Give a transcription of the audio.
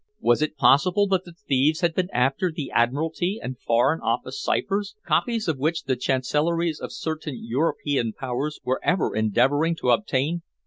Was it possible that the thieves had been after the Admiralty and Foreign Office ciphers, copies of which the Chancelleries of certain European Powers were ever endeavoring to obtain?